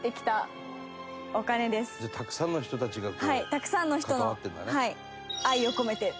じゃあたくさんの人たちがこう関わってるんだね。